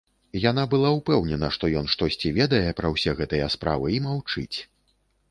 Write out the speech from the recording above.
Яна была ўпэўнена, што ён штосьці ведае пра ўсе гэтыя справы і маўчыць.